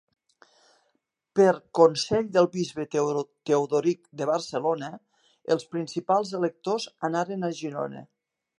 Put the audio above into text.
Per consell del bisbe Teodoric de Barcelona, els principals electors anaren a Girona.